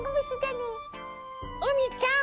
うみちゃん！